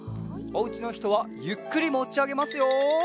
おうちのひとはゆっくりもちあげますよ。